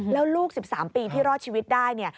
แล้วลูก๑๓ปีที่รอดชีวิตได้เนี่ย